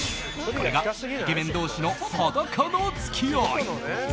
これがイケメン同士の裸の付き合い。